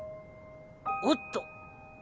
おっと！